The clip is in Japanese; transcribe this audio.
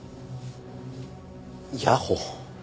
谷保。